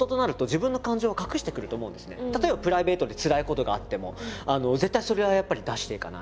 例えばプライベートでつらいことがあっても絶対それはやっぱり出していかない。